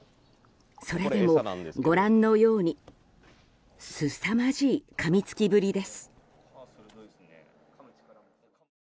それでも、ご覧のようにすさまじいかみつきぶりです。